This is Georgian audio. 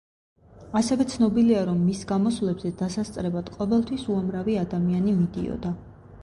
ასევე ცნობილია, რომ მის გამოსვლებზე დასასწრებად ყოველთვის უამრავი ადამიანი მიდიოდა.